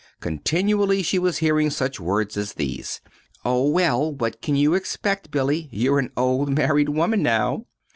Continually she was hearing such words as these: "Oh, well, what can you expect, Billy? You're an old married woman, now."